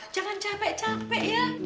jangan capek capek ya